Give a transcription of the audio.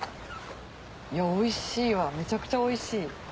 おいしいわめちゃくちゃおいしい。